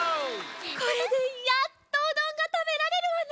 これでやっとうどんがたべられるわね！